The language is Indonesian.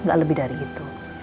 nggak lebih dari itu